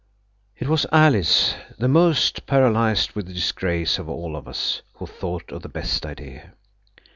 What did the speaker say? It was Alice, the most paralysed with disgrace of all of us, who thought of the best idea.